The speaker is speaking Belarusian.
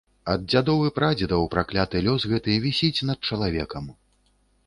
Ад дзядоў і прадзедаў пракляты лёс гэты вісіць над чалавекам.